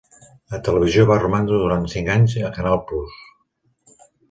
A televisió va romandre durant cinc anys a Canal Plus.